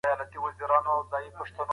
د ماشومانو استعدادونه وپیژنئ او وده ورکړئ.